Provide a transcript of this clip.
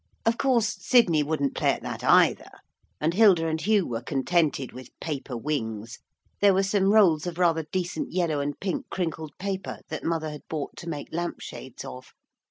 Of course Sidney wouldn't play at that either, and Hilda and Hugh were contented with paper wings there were some rolls of rather decent yellow and pink crinkled paper that mother had bought to make lamp shades of.